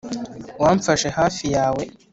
wamfashe hafi yawe